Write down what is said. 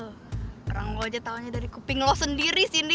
orang lo aja taunya dari kuping lo sendiri cindy